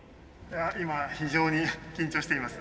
今非常に緊張しています。